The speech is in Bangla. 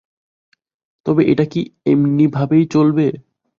তবে এটা কি এমনি ভাবেই চলবে?